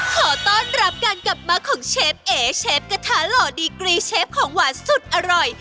ขอต้อนรับการกลับมาของเชฟเอ๋เชฟกระทะหล่อดีกรีเชฟของหวานสุดอร่อย